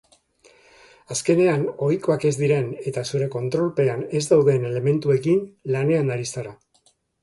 Azkenean ohikoak ez diren eta zure kontrolpean ez dauden elementuekin lanean ari zara.